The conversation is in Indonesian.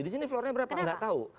disini floornya berapa enggak tahu